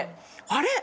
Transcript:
あれ？